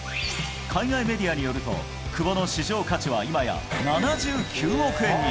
海外メディアによると久保の市場価値は今や７９億円に。